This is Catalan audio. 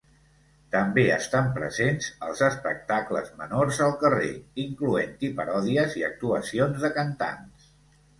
També estan presents els espectacles menors al carrer, incloent-hi paròdies i actuacions de cantants.